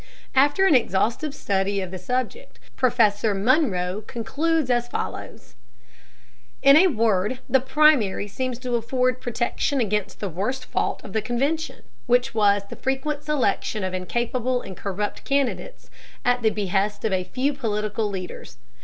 After an exhaustive study of the subject, Professor Munro concludes as follows: "In a word, the primary seems to afford protection against the worst fault of the convention, which was the frequent selection of incapable and corrupt candidates at the behest of a few political leaders.